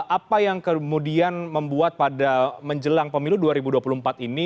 apa yang kemudian membuat pada menjelang pemilu dua ribu dua puluh empat ini